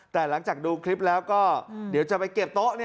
แต่หลังจากดูคลิปแล้วก็เดี๋ยวจะไปเก็บโต๊ะ